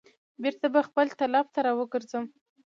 بیرته به خپل طلب ته را وګرځم.